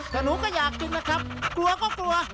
ถ้าหนูก็อยากกินนะครับกลัวก็กลัว